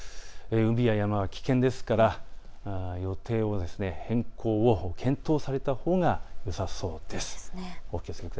海や山は危険ですから予定の変更を検討されたほうがよさそうです。